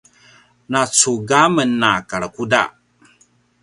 na cug a men a karakuda